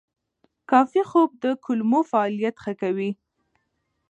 کافي خوب د کولمو فعالیت ښه کوي.